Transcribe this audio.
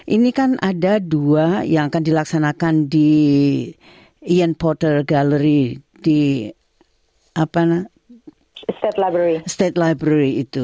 ini kan ada dua yang akan dilaksanakan di ian porter gallery di state library